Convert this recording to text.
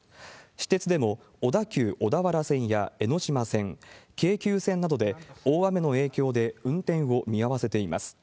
私鉄でも小田急小田原線や江ノ島線、京急線などで大雨の影響で運転を見合わせています。